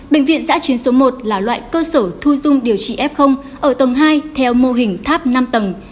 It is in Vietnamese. bệnh viện giã chiến số một là loại cơ sở thu dung điều trị f ở tầng hai theo mô hình tháp năm tầng